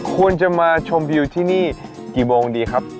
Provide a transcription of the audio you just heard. ควรจะมาชมวิวที่นี่กี่โมงดีครับ